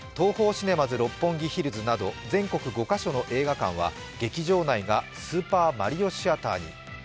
シネマズ六本木ヒルズなど全国５か所の映画館は劇場内がスーパーマリオシアターに。